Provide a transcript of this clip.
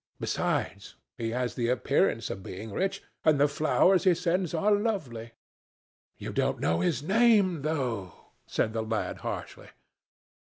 Besides, he has the appearance of being rich, and the flowers he sends are lovely." "You don't know his name, though," said the lad harshly.